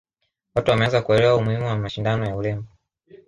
watu wameanza kuelewa umuhimu wa mashindano ya urembo